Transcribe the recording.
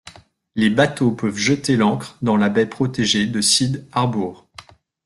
Les bateaux peuvent jeter l'ancre dans la baie protégée de Cid Harbour.